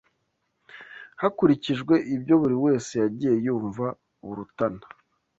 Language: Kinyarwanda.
hakurikijwe ibyo buri wese yagiye yumva burutana